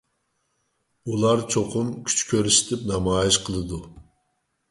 ئۇلار چوقۇم كۈچ كۆرسىتىپ نامايىش قىلىدۇ.